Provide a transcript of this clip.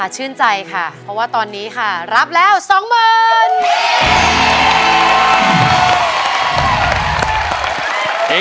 ชื่นใจค่ะเพราะตอนนี้รับแล้ว๒มือ